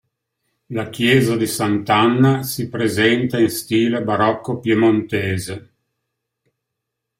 La chiesa di Sant'Anna si presenta in stile barocco piemontese.